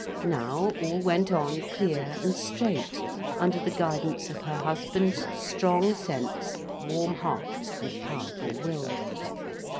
Now, all went on clear and straight, under the guidance of her husband's strong sense, warm heart, and powerful will.